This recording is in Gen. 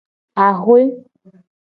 Axwe.